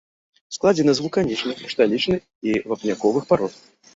Складзены з вулканічных, крышталічных і вапняковых парод.